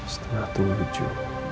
setengah tunggu cuy